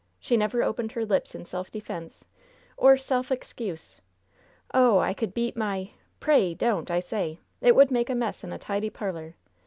She never opened her lips in self defense, or self excuse! Oh, I could beat my " "Pray, don't, I say! It would make a mess in a tidy parlor!